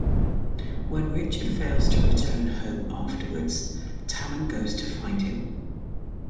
When Richard fails to return home afterwards, Talon goes to find him.